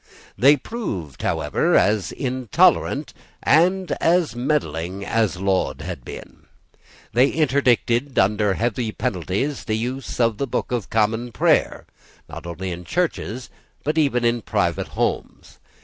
They proved, however, as intolerant and as meddling as ever Laud had been. They interdicted under heavy penalties the use of the Book of Common Prayer, not only in churches, but even in private houses.